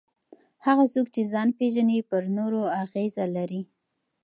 هغه څوک چې ځان پېژني پر نورو اغېزه لري.